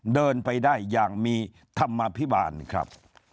เดินไปได้อย่างมีธรรมภิบาลครับ